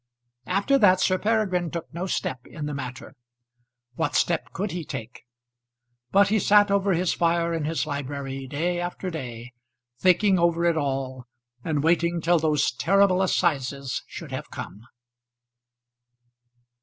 After that Sir Peregrine took no step in the matter. What step could he take? But he sat over his fire in his library, day after day, thinking over it all, and waiting till those terrible assizes should have come.